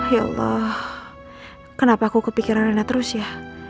ya allah kenapa aku kepikiran rena terus ya